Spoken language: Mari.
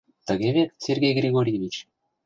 Тыге вет, Сергей Григорьевич?